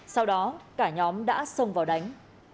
sau đó cả nhóm đã xông vào đánh